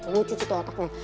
gue cuci tuh otaknya